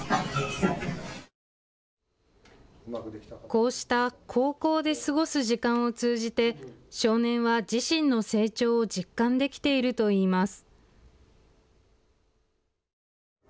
こうした高校で過ごす時間を通じて少年は自身の成長を実感できているといいます。